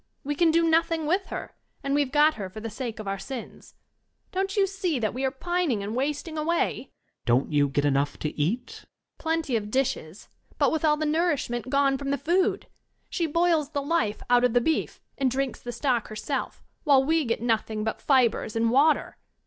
We can do noth ing with her, and we have got her for the'sake of our sins .... Don't you see that we are pining and wasting away? •^Student. Don't you get enough to eat? I^OUNQ Lady. Plenty of dishes, but with all the nourish ment gone from the food. She boils the life out of the beef, and drinks the stock herself, while we get nothing but fibres and water.